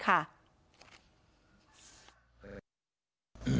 เพราะพ่อเชื่อกับจ้างหักข้าวโพด